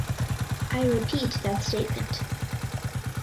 I repeat that statement.